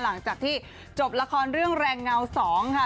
หลังจากที่จบละครเรื่องแรงเงา๒ค่ะ